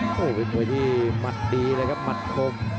โอ้โหเป็นมวยที่หมัดดีเลยครับหมัดคม